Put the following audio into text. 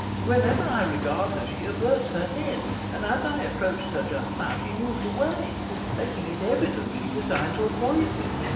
Whenever I regard her she averts her head, and as I approached her just now, she moved away, making it evident she designed to avoid me.